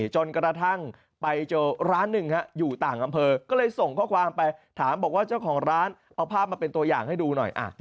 จนกระทั่งไปเจอร้านหนึ่งอยู่ต่างอำเภอก็เลยส่งข้อความไปถามบอกว่าเจ้าของร้านเอาภาพมาเป็นตัวอย่างให้ดูหน่อย